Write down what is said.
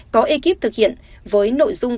có ekip thực hiện với nội dung